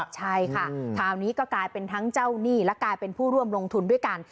ใช่ค่ะคราวนี้ก็กลายเป็นทั้งเจ้าหนี้และกลายเป็นผู้ร่วมลงทุนด้วยกัน